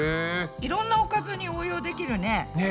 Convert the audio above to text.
いろんなおかずに応用できるね。ね。